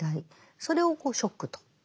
それをショックと。